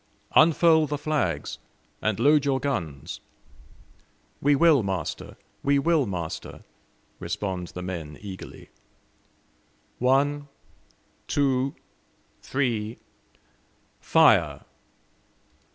"Unfurl the flags, and load your guns!" "We will, master, we will, master!" respond the men eagerly. "One, two, three, fire!"